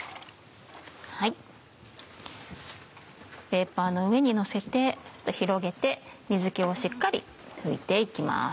ペーパーの上にのせて広げて水気をしっかり拭いて行きます。